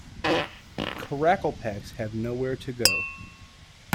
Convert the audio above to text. Karakalpaks have nowhere to go.